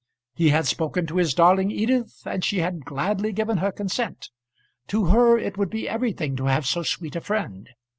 He had spoken to his darling Edith, and she had gladly given her consent. To her it would be everything to have so sweet a friend.